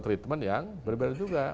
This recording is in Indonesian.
treatment yang berbeda juga